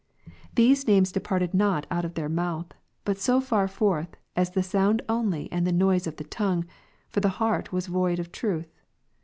These names departed not out of their mouth, but so far forth, as the sound ^ only and the noise of the tongue, for the heart was void of truth.